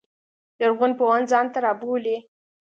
لرغون پوهان ځان ته رابولي.